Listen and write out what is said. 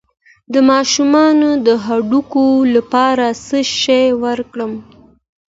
د ماشوم د هډوکو لپاره څه شی ورکړم؟